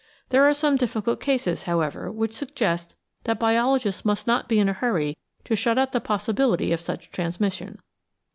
There are some difficult cases, however, which suggest that biologists must not be in a hurry to shut out the possibility of such transmission.